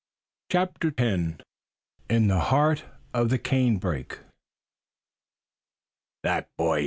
CHAPTER X IN THE HEART OF THE CANEBRAKE "That boy!"